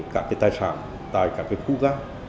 cả cái tài sản tại cả cái khu gác